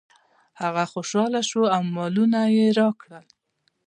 هغه خوشحاله شو او مالونه یې راکړل.